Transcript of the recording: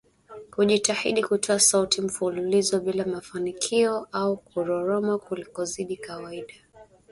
Kujitahidi kutoa sauti mfululizo bila mafanikio au Kuroroma kulikozidi kawaida